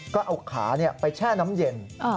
ก็เอาขาไปแช่น้ำเย็น